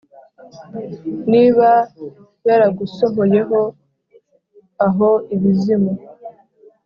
Niba yaragusohoyeho aho ibuzimu